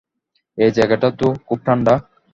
এই জায়গাটা তো খুব ঠাণ্ডা।